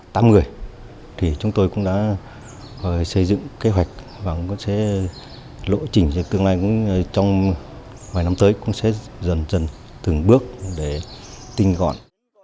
tạm người thì chúng tôi cũng đã xây dựng kế hoạch và cũng sẽ lộ trình cho tương lai cũng trong vài năm tới cũng sẽ dần dần từng bước để tình gọn